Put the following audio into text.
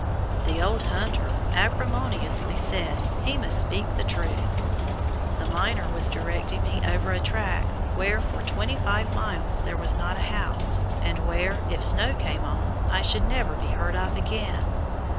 The old hunter acrimoniously said he "must speak the truth," the miner was directing me over a track where for twenty five miles there was not a house, and where, if snow came on, I should never be heard of again.